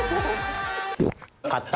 勝った。